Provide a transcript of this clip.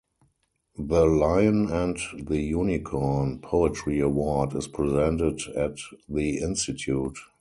The "Lion and the Unicorn" Poetry Award is presented at the institute.